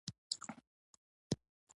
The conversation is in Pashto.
کولای شو په احتیاط سره یې رنسانس وبولو.